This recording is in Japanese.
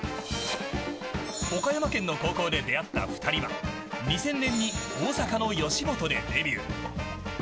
岡山県の高校で出会った２人は２０００年に大阪の吉本でデビュー。